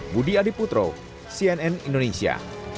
budi adiputro cnn indonesia